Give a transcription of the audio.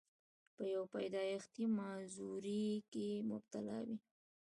پۀ يو پېدائشي معذورۍ کښې مبتلا وي،